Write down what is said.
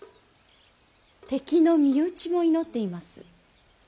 敵の身内も祈っています。